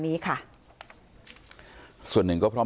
ไม่ตั้งใจครับ